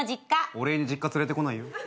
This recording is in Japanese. お礼に実家連れてこないよ。